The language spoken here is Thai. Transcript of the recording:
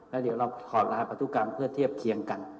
แล้วเดี๋ยวเราถอดรหัสพันธุกรรมเพื่อเทียบเคียงกัน